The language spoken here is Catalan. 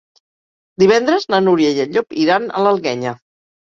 Divendres na Núria i en Llop iran a l'Alguenya.